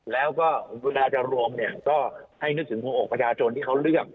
แล้วก็เวลาจะรวมเนี่ยก็ให้นึกถึงหัวอกประชาชนที่เขาเลือก